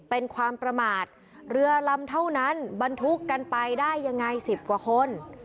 เป็นความประมาทเรือลำเท่านั้นบรรทุกกันไปได้ยังไง๑๐กว่าคน